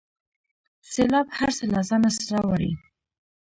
سیلاب هر څه له ځانه سره وړي.